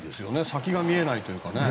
先が見えないというかね。